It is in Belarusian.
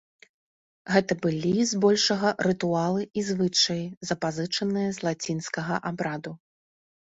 Гэта былі, збольшага, рытуалы і звычаі, запазычаныя з лацінскага абраду.